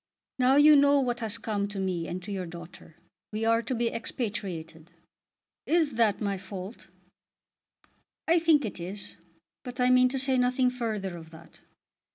"Now you know what has come to me and to your daughter. We are to be expatriated." "Is that my fault?" "I think it is, but I mean to say nothing further of that.